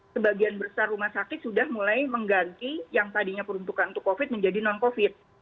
sebagian besar rumah sakit sudah mulai mengganti yang tadinya peruntukan untuk covid menjadi non covid